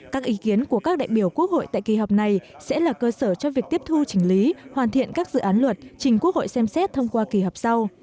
các ý kiến của các đại biểu quốc hội tại kỳ họp này sẽ là cơ sở cho việc tiếp thu chỉnh lý hoàn thiện các dự án luật trình quốc hội xem xét thông qua kỳ họp sau